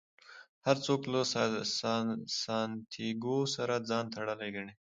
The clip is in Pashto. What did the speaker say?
هر څوک له سانتیاګو سره ځان تړلی ګڼي.